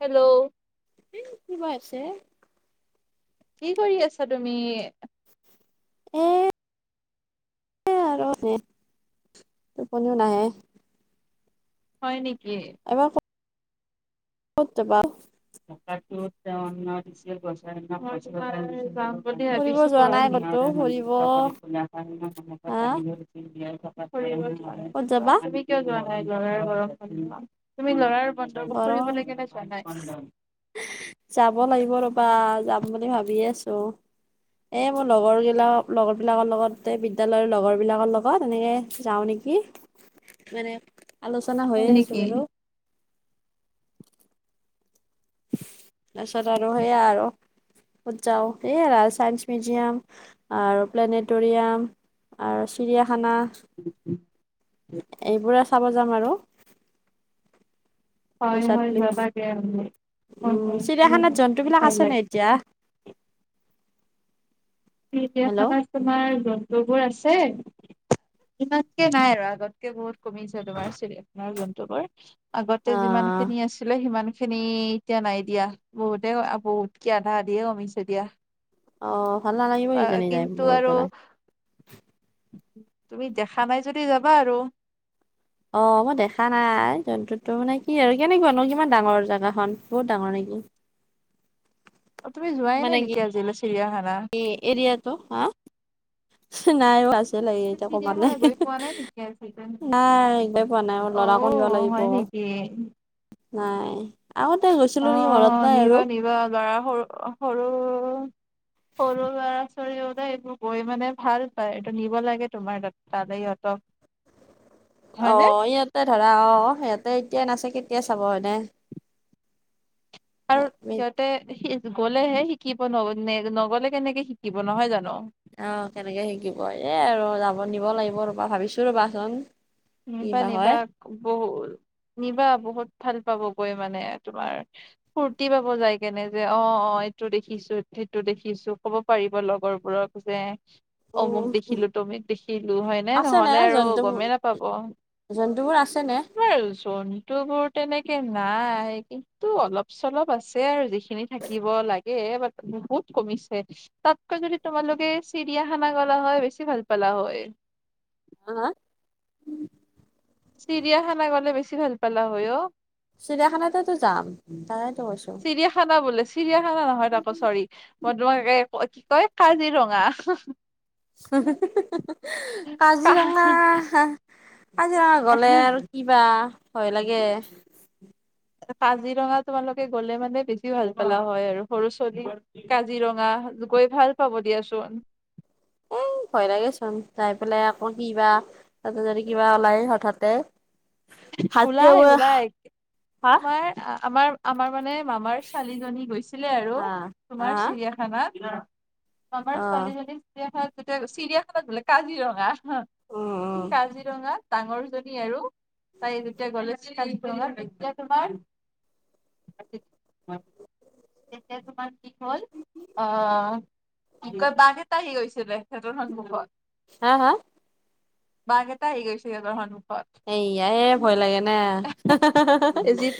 Hello. কি কিবা আছে। কি কৰি আছা তুমি? এইয়া আৰু এনেই, টোপনিও নাহে। হয় নেকি? এবাৰ ক'ত যাবা। দিছে, গছ যাম বুলি ফুৰিব ভাবিছোঁ যোৱা নাই ক'তো পৰশিলে। ফুৰিব তুমি কিয় হা যোৱা নাই? ক'ত ল'ৰাৰ যাবা ঘৰ, তুমি ল'ৰাৰ বক গৰম যাব লাগিব ৰ'বা, যাম বুলি ভাবিয়ে আছোঁ। এ মোৰ লগৰ বিলাক, লগৰ বিলাকৰ লগত। বিদ্যালয়ৰ লগৰ বিলাকৰ লগত এনেকে যাওঁ নেকি? কি! মানে আলোচনা হৈয়ে হয় আছে নেকি? বাৰু? তাৰপিছত আৰু হেইয়া আৰু। ক'ত যাওঁ, এই আৰু চাইন্স মিউজিয়াম আৰু প্লেনেটৰিয়াম। আৰু চিৰিয়াখানা। এইবোৰে চাব যাম আৰু। হয় পইচা হয়, তুলি যাবা যাবা। উম, চিৰিয়াখানাত জন্তু বিলাক ভাল আছে নে লাগে। এতিয়া? হেল্ল' তোমাৰ জন্তুবোৰ আছে, ইমানকে নাই আৰু আগত বহুত কমিছে তোমাৰ, চিৰিয়াখানাৰ জন্তুবোৰ আগতে যিমান অ', খিনি আছিলে সিমান খিনি এতিয়া নাই দিয়া বহুতে বহুতকে আধা-আধিয়ে কমিছে দিয়া। অ' ভাল নালাগিব বা [unintelligible] যায় কিন্তু গৈ আৰু পেলাই। তুমি দেখা নাই যদি যাবা আৰু। অ' মই দেখা নাই জন্তুটো মানে কি আৰু কেনেকুৱানো কিমান ডাঙৰ জেগাখন বহুত ডাঙৰ নেকি? অ তুমি যোৱাই নাই মানে কি নেকি আজিলৈ চিৰিয়াখানা এৰিয়াটো হা নাই [unintelligible] [unintelligible] পোৱা চিৰিয়াখানা নাই গৈ পোৱা নাই নেকি আজিলৈ অ ল'ৰাকো নিব লাগিব। [unintelligible] নাই আগতে গৈছিলো নেকি মনত নাই আৰু। কিবা গাৰা সৰু [unintelligible] সৰু ল'ৰা-ছোৱালীবোৰে এইবোৰ গৈ মানে ভাল পায়, এইটো নিব লাগে তোমাৰ তাতে সিহঁতক। [unintelligible] হয়নে অঁ, ইহঁতে ধৰা অ', অ' সিহঁতে এতিয়া নাচায় কেতিয়া চাব হয়নে? [unintelligible] তে গলেহে শিকিব ন নগলে কেনেকে শিকিব নহয় জানো? অঁ, কেনেকে শিকিব এ আৰু যাব নিব লাগিব ৰ'বা ভাবিছো ৰ'বাচোন। কি নিবা বা হয়। নিবা বহু নিবা বহুত ভাল পাব গৈ মানে তোমাৰ। ফুৰ্তি পাব যায় কেনে যে, অ' অ' এইটো দেখিছো, সেইটো দেখিছো ক'ব। পাৰিব লগৰবোৰক যে। অমুক উম, দেখিলো, তমিক দেখিলো। হয়নে? আছে নে নহ'লে আৰু জন্তুবোৰ গমে নাপ পাব। জন্তুবোৰ আছে নে? [unintelligible] ত বোৰ তেনেকে নাই, কিন্তু অলপ চলপ আছে আৰু যিখিনি থাকিব লাগে। বাট্ বহুত কমিছে। তাতকৈ যদি তোমালোকে চিৰিয়াখানা গ'লা হয়, বেছি ভাল পালা হয়। [unintelligible] হা? চিৰিয়াখানা গলে বেছি ভাল পালা হয় অ চিৰিয়াখানাতেতো যাম, তাকেতো কৈছো। খানা বোলে, চিৰিয়াখানা নহয়, চৰি মই তোমাক কি কয় কাজিৰঙা। [unintelligible] কা কাজিৰঙা কাজিৰঙা গ'লে আৰু কিবা ভয় লাগে। কাজিৰঙা তোমালোকে গ'লে মানে বেছি ভাল পালা হয়, আৰু সৰু ছোৱালী। কাজিৰঙা গৈ ভাল পাব দিয়াচোন। [unintelligible] ভয় লাগেচোন, যায় পেলাই আকৌ কি বা তাতে যদি কিবা ওলাই হঠাতে। হাতীয়ে ওলাই, ওলাই হা তোমাৰ আমাৰ আমাৰ মানে মামাৰ ছোৱালীজনী গৈছিলে আৰু হা হা তোমাৰ হা চিৰিয়া খানাত অ মামাৰ উম ছোৱালীজনী চিৰিয়াখানাত যেতিয়া গৈ চিৰিয়াখানাত বোলে, কাজিৰঙা। উম হ'--কাজিৰঙা ডাঙৰজনী আৰু। তাই যেতিয়া গলে কাজিৰঙা তেতিয়া তোমাৰ তেতিয়া তোমাৰ কি হল, আহ' কি কয়, বাঘ এটা আহি গৈছিলে সিহঁতৰ সন্মুখত। হাঁ হাঁ? বাঘ এটা আহি গৈছে সিহঁতৰ সন্মুখত। সেইয়াহে ভয় লাগে না'। জীপ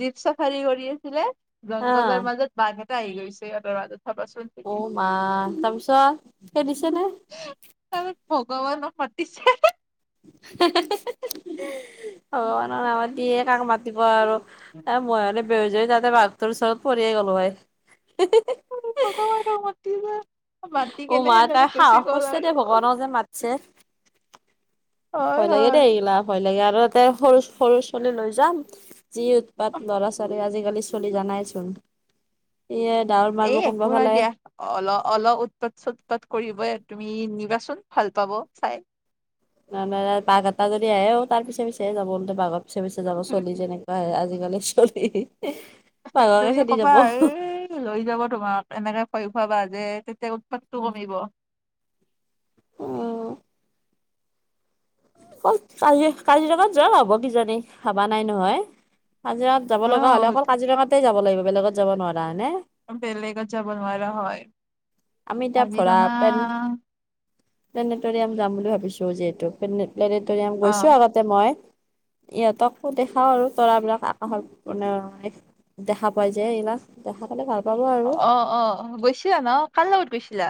জীপ চাফাৰী কৰি আছিলে, অ জংঘলৰ মাজত বাঘ এটা আহি গৈছে সিহঁতৰ আগত ভাবাচোন। অ মা তাৰপিছত খেদিছে নে তাৰপাছত ভগৱানক মাতিছে হে হে [unintelligible] ভগৱানক নামাতি কাক মাতিব আৰু। এ মই মানে বেহুচ হৈ তাতে বাঘটোৰ ওচৰত পৰিয়ে গ'লো হয় হে হে অ ভগৱানক মাতিবা উ মা তাই সাহস কৰিছে দেই ভগৱানক যে মাতছে। হয় ভয় লাগে হয় দেই এইগিলা ভয় লাগে আৰু। তাতে সৰু সৰু চলি লৈ যাম যি উৎপাত ল'ৰা ছোৱালীৰ আজিকালি। চলি জানাই চোন সেয়ে ডাঙৰ মানুহ কোনোবা ফালে। অল অলপ উৎপাত চুৎপাত কৰিবই তুমি নিবাচোন ভাল পাব চাই। না নাযায় বাঘ এটা যদি আহেও তাৰ পিছে পিছে যাব বাঘত পিছে পিছে যাব চলি যেনেকুৱাহে আজিকালি চলি বাঘকে তুমি খেদি কবা যাব এই লৈ যাবা তোমাক এনেকে ভয় খোৱাবা যে তেতিয়া উৎপাতটো কমিব অ অকল কাজি কাজিৰঙাত যোৱা নহব কিজানি ভাবা নাই নহয় কাজিৰঙাত যাব লগা হ'লে অকল কাজিৰঙাতেই যাব লাগিব বেলেগত যাব নোৱাৰা হয়নে বেলেগত যাব নোৱাৰা হয় আমি এতিয়া ফুৰা কাজিৰঙা পেনট প্লেনটৰিয়াম যাম বুলি ভাবিছো যিহেতু প্লেনটৰিয়াম অ গৈছো আগত তাতে মই ইহঁতকো দেখাও আৰু তৰা বিলাক আকাশত মানে দেখা পাই যে এইবিলাক দেখা পালে ভাল পাব আৰু অ অ গৈছিলা ন কাৰ লগত গৈছিলা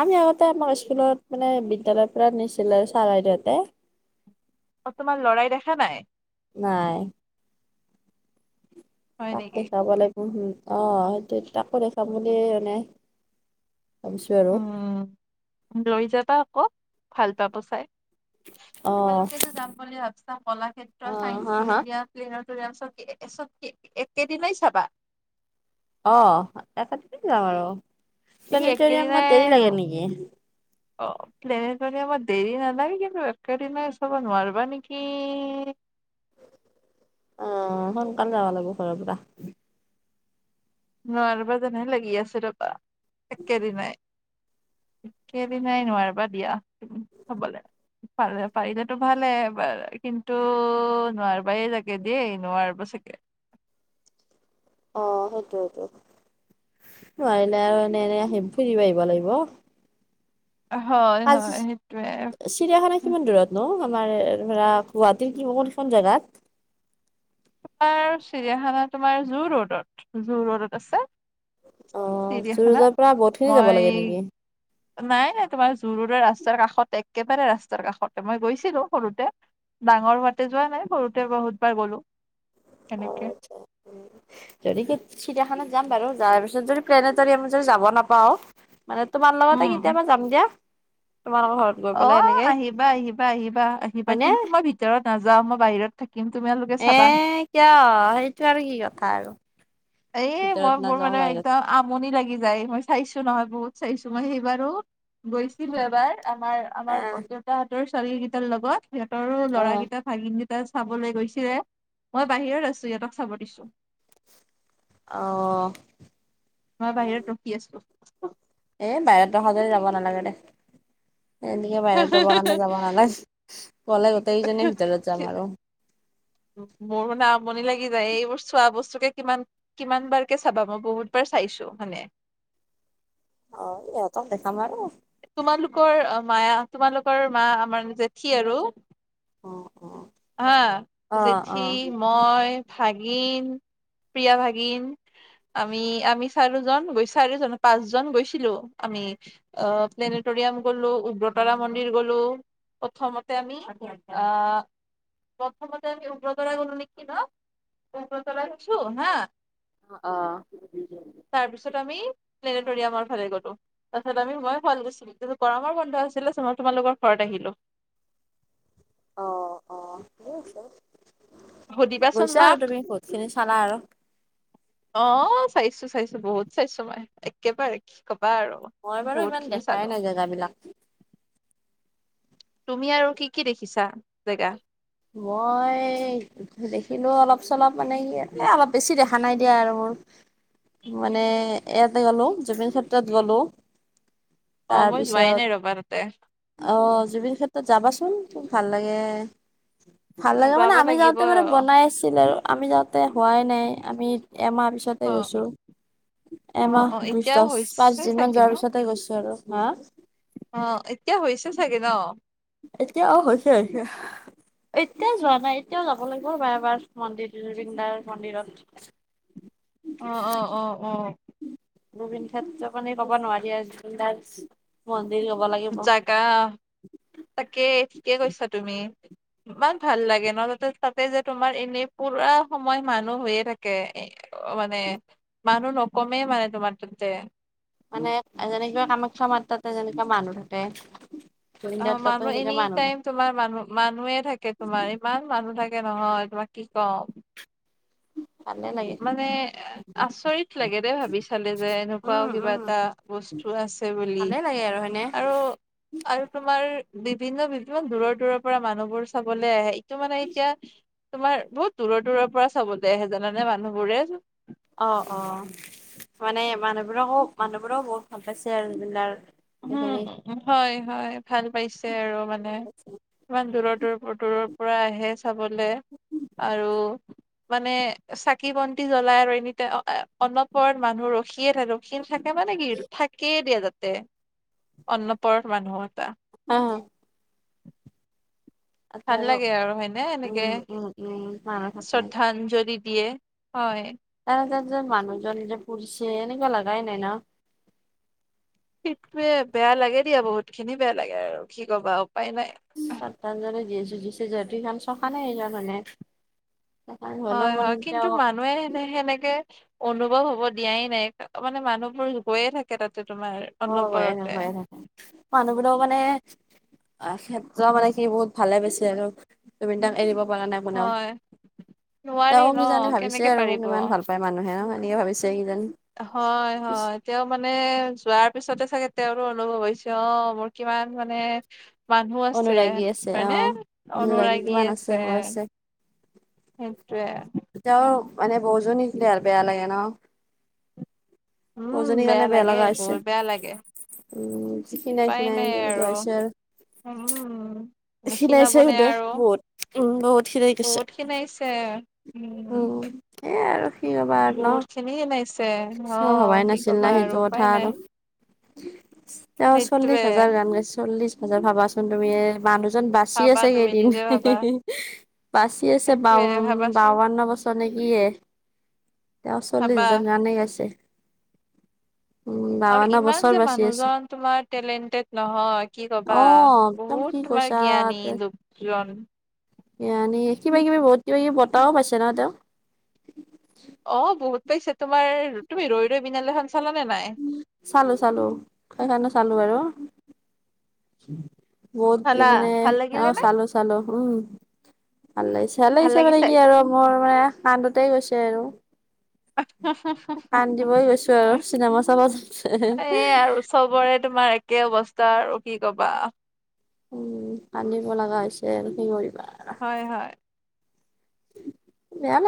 আমি আগতে আমাৰ স্কুলত মানে বিদ্যালয়ৰ পৰা নিছিলে চাৰ বাইদেউহঁতে অ তোমাৰ লৰাই দেখা নাই নাই হয় তাক নেকি দেখাব লাগিব হুম অহ সেইটো তাকো দেখাম বুলি মানে ভাবিছো আৰু উম লৈ যাবা আক ভাল পাব চাই অ তোমালোকেতো যাম বুলি ভাবিছা অ কলাক্ষেত্ৰ হা চাইন্স হা মিউজিয়াম প্লেনটৰিয়াম চব চব একে একেদিনাই চাবা অ একে দিনাই যাম আৰু সেই প্লেটৰিয়ামত একেদিনাই দেৰি ন লাগে নেকি [unintelligible] অ প্লেনটেৰিয়াম দেৰি নালাগে কিন্তু একেদিনাই চাব নোৱাৰিবা নেকি অ সোনকালে যাব লাগিব ঘৰৰ পৰা নোৱাৰিবা যেনহে লাগি আছে ৰবা একেদিনাই একেদিনাই নোৱাৰিবা দিয়া তুমি চাবলে পাৰে পাৰিলেতো ভালে বাৰু কিন্তু নোৱাৰিবাই চাগে দেই নোৱাৰিবা চাগে অ সেইটোৱেটো নোৱাৰিলে আৰু এনে এনে আহিম ফুৰিব আহিব লাগিব হয় কাজি হয় সেইটোৱে চিৰিয়াখানা কিমান দূৰত নো আমাৰ ধৰা গুৱাহাটীৰ কোনখন জেগাত তোমাৰ চিৰিয়াখানা তোমাৰ জু ৰোডত জু ৰোডত আছে অ' চিৰিয়াখানা জু-ৰোডৰ পৰা বহুতখিনি যাব মই লাগে নেকি? নাই নাই তোমাৰ জু ৰুডৰ ৰাস্তাৰ কাষত একেবাৰে ৰাস্তাৰ কাষতে মই গৈছিলো সৰুতে ডাঙৰ হোৱাতে যোৱা নাই সৰুতে বহুতবাৰ গ'লো অ সেনেকে আচ্ছা যদি চিৰিয়াখানাত যাম বাৰু যাৰ পিছত যদি প্লেনেটৰিয়াম যদি যাব নাপাওঁ মানে তোমাৰ লগতে উম কেতিয়াবা যাম দিয়া, তোমাৰ লোকৰ ঘৰত। গৈ অ পেলাই এনেকে। আহিবা-আহিবা-আহিবা-আহিবা হয়নে? কিন্তু মই ভিতৰত নাযাওঁ মই বাহিৰত থাকিম তুমালোকে এ চাবা। কিয় সেইটো আৰু কি কথা আৰু। এই ভিতৰত মই মোৰ নাযাওঁ মানে বাহিৰত। একদম আমনি লাগি যায় মই চাইছো নহয় বহুত চাইছো মই সেইবাৰো গৈছিলো এবাৰ আমাৰ আমাৰ আহ। দেউতাহঁতৰ ছোৱালী কেইটাৰ লগত সিহঁতৰো অ', ল'ৰাকেইটা ভাগিন দুটা চাবলৈ গৈছিলে মই বাহিৰত আছো ইহঁতক চাব দিছো। অ। মই বাহিৰত ৰখি আছিলো। এ বাহিৰত [unintelligible] যাব নালাগে দে, এনেকে বাহিৰত ৰব কাৰণে যাব নালাগে। গ'লে গোটেইকেইজনীয়ে ভিতৰত যাম আৰু। মোৰ মানে আমনি লাগি যায় এইবোৰ চোৱা বস্তুকে কিমান কিমান বাৰকে চাবা, মই বহুতবাৰ চাইছো মানে। অ সিহঁতক দেখাম আৰু তোমালোকৰ মায়া তোমালোকৰ মা আমাৰ জেঠী আৰু অ অ। হা অ জেঠি, মই, ভাগিন, প্ৰিয়া ভাগিন আমি আমি চাৰিজন গৈ চাৰিজন পাঁচজন গৈছিলো আমি। অ প্লেনেটৰিয়াম গ'লো, উগ্ৰতাৰা মন্দিৰ গ'লো, প্ৰথমতে আমি অ প্ৰথমতে আমি উগ্ৰতৰা গ'লো নেখি ন? উগ্ৰতৰা গৈছো হা অ। তাৰ পিছত আমি প্লেনেটৰিয়ামৰ ফালে গ'লো। তাৰপিছত আমি মই শুৱালকুছি, গৰমৰ বন্ধ আছিলে মই তোমালোকৰ ঘৰত আহিলো। অ অ ঠিকে আছে সুধিবাচোন গৈছা আৰু মাক তুমি বহুত খিনি চালা আৰু। অ চাইছো চাইছো বহুত চাইছো মই একেবাৰে কি কবা আৰু। মই বাৰু বহুত ইমান খিনি চালো দেখাই নাই জেগাবিলাক। তুমি আৰু কি কি দেখিছা জেগা? মই দেখিলোও অলপ-চলপ মানে সি অলপ বেছি দেখা নাই দিয়া আৰু মোৰ। মানে ইয়াতে গ'লো, জুবিন ক্ষেত্ৰত গ'লো, অ মই যোৱাই নাই ৰবা তাতে তাৰপিছত আহ জুবিন ক্ষেত্ৰত যাবাচোন খুব ভাল লাগে। ভাল লাগে মানে যাব আমি লাগিব যাওঁতে মানে বনাই আছিল আৰু আমি যাওঁতে হোৱাই নাই আমি এমাহ পিছত তে অ গৈছো। অ এমাহ অ দু এতিয়া দহ পাঁচ হৈছে দিনমান চাগে ন যোৱাৰ পিছতে গৈছো আৰু। হা? অ এতিয়া হৈছে চাগে ন? এতিয়া অ হৈছে হৈছে। এতিয়াও যোৱা নাই এতিয়াও যাব লাগিব ৰ'বা এবাৰ মন্দিৰ জুবিন দাৰ মন্দিৰত। অ-অ-অ-অ জুবিনক্ষেত্ৰ বুলি ক'ব নোৱাৰি জুবিন দাৰ মন্দিৰ কব লাগিব। অ তাকেই ঠিকে কৈছা তুমি। ইমান ভাল লাগে ন, তাতে তাতে যে তোমাৰ এনেই পুৰা সময় মানুহ হৈয়ে থাকে। অ মানে মানুহ নকমে মানে তোমাৰ তাতে। মানে যেনেকৈ কামাখ্যা মাৰ তাতে যেনেকুৱা মানুহ থাকে। অ জুবিনদাৰ তাতো মানুহ সেনেকে এনিটাইম থাকে তোমাৰ মানুহ মানুহে থাকে তোমাৰ ইমান মানুহ থাকে নহয় তোমাক কি কম। ভালে লাগে মানে আচৰিত লাগে দে ভাবি চালে যে উম এনেকুৱাও কিবা উম এটা ব স্তু আছে বুলি। নহয়নে? আৰু আৰু তোমাৰ বিভিন্ন বি কিমান দূৰৰ দূৰৰ পৰা মানুহবোৰ চাবলে আহে ইতো মানে এতিয়া তোমাৰ বহুত দূৰৰ দূৰৰ পৰা চাবলে আহে জানানে মানুহ বোৰে। অ অ, মানে মানুহবোৰকো মানুহবোৰও বহুত ভাল পাইছে আৰু জুবিন দাৰ হুম হয় হয়, ভাল পাইছে আৰু মানে। ইমান দূৰৰ দূৰ দূৰৰ পৰা আহে চাবলে আৰু মানে চাকি বন্তি জ্বলাই আৰু এনিটাইম অ অন'পৰত মানুহ ৰ খিয়ে থাকে ৰখি থাকে মানে কি থাকেইে দিয়া তাতে অন্নপৰত মানুহ কেটা। অ। ভাল লাগে আৰু হয়নে এনেকে উম উম উম মানুহ থাকে শ্ৰদ্ধাঞ্জলি দিয়ে, হয়। তাত এজন যে মানুহজন যে পুৰছে এনেকুৱা লাগাই নাই ন? সেইটোৱে বেয়া লাগে দিয়া বহুত খিনি বেয়া লাগে আৰু কি কবা উপায় নাই। শ্ৰদ্ধাঞ্জলি দিছে দিছে যদিও সেইখান শসানে সেইখান হয়নে? হয় হয় কিন্তু মানুহে সেনে সেনেকে অনুভৱ হ'ব দিয়াই নাই মানে মানুহবোৰ গৈয়ে থাকে তাতে তোমাৰ। অ গৈয়ে অনবৰতে থাকে গৈয়ে থাকে মানুহবিলাক মানে অ ক্ষেত্ৰ মানে কি বহুত ভালে পাইছে আৰু, জুবিন দাক এৰিব পাৰা নাই। বনাও, হয় নোৱাৰি তেওঁ ন কিজানি ভাবিছে কেনেকে আৰু পাৰিব মোক ইমান ভাল পায় মানুহেও সিওঁ ভাবিছে কিযানি। হয় হয়। তেওঁ মানে যোৱাৰ পিছতে চাগে তেওঁৰো অনুভৱ হৈছে অ মোৰ কিমান মানে মানুহ আছে অনুৰাগী আছে অ হয়নে? অনুৰাগী আছে। সেইটোৱে। তেওঁৰ মানে বৌজনীলে আৰু বেয়া লাগে ন! উম বৌজনীৰ কাৰণে বেয়া লাগে লাগা হৈছে। বহুত বেয়া লাগে উম উপায় খিনাইখিনাই নাই কেনেকুৱা হৈছে আৰু। [unintelligible] খীনাইছে নিখিনাবনে গোটে আৰু বহুত, উম, বহুত খিনাই গৈছে। এয়া, উম। এয়া আৰু কি কবা আৰ ন! [unintelligible] খিনাইছে, অ তেওঁ ভবাই কি নাছিল না কবা আৰু সেইটো কথা উপায় আৰু নাই। তেওঁ চল্লিশ সেইটোৱে হাজাৰ গান গাইছে চল্লিশ হাজাৰ ভাবাচোন তুমি এ মানুহজন বাচি ভাবা আছে তুমি কেইদিন! নিজে ভাবা বাচি আছে সেইটোয়ে বাৱন ভাবাচোন বাৱন্ন বছৰ নেকি হে, তেওঁ চল্লিশ ভাবা হাজাৰ গানে গাইছে। উম, আৰু বাৱন্ন ইমান বছৰ যে বাচি আছে। মানুহজন তোমাৰ টেলেণ্টেড নহয় কি কবা! অ একদম বহুত কি তোমাৰ জ্ঞানী কৈছা লোকজন। জ্ঞানী কিবা-কিবি বহুত কিবা-কিবি বটাঁও পাইছে ন তেওঁ! অ বহুত পাইছে তোমাৰ তুমি ৰৈ ৰৈ বিনালে খন চালানে নাই? চালোঁ চালোঁ সেইখানো চালোঁ বাৰু। বহুত কি চালা মানে ভাল অ লাগিলে নে চালোঁ চালোঁ, উম। ভাল লাগিছে, ভাল লাগিছে মানে কি আৰু মোৰ মানে কান্দোতেই গৈছে আৰু। কান্দিবই [unintelligible] এইয়ে গৈছো আৰু চিনেমা চাব যাওঁতে আৰু চবৰে তোমাৰ একে অৱস্থা আৰু কি কবা। উম', কান্দিব লগা হৈছে আৰু কি কৰিবা। হয়, হয়। বেয়া না